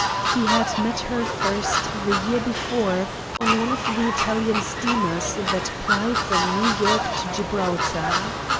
He had met her first the year before, on one of the Italian steamers that ply from New York to Gibraltar.